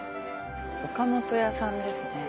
岡本屋さんですね